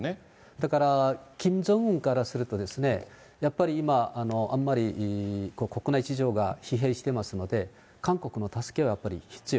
だからキム・ジョンウンからすると、やっぱり今、あんまり国内事情が疲弊してますので、韓国の助けはやっぱり必要。